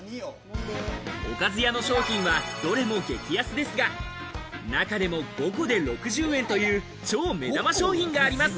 おかず屋の商品はどれも激安ですが、中でも５個で６０円という超目玉商品があります。